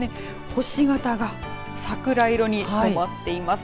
星形が桜色に染まっています。